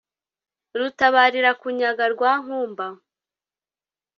rutabarira kunyaga rwa nkumba